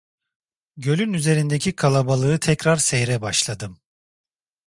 Gölün üzerindeki kalabalığı tekrar seyre başladım.